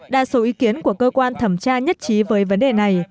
đa số ý kiến của cơ quan thẩm tra nhất trí với vấn đề này